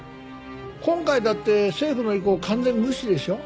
今回だって政府の意向完全無視でしょ？